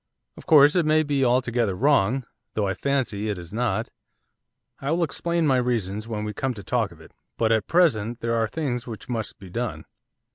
Of course it may be altogether wrong; though I fancy it is not; I will explain my reasons when we come to talk of it. But, at present, there are things which must be done.